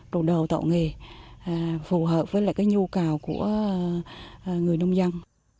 đồ đầu tạo nghề phù hợp với nhu cầu của người nông dân